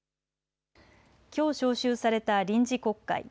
きょう召集された臨時国会。